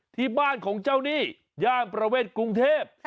ที่บ้านของเจ้าหนี้ย่านประเวทกรุงเทพ